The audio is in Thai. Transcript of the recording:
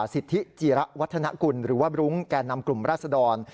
สิทธิจีระวัฒนกุลหรือว่าบรุ้งแก่นำกลุ่มราศดร